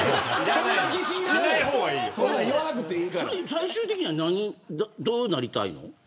最終的にはどうなりたいの。